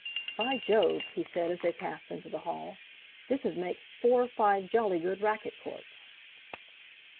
"By Jove!" he said as they passed into the hall, "this'd make four or five jolly good racket courts."